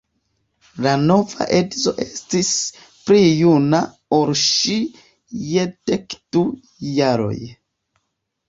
La nova edzo estis pli juna ol ŝi je dek du jaroj.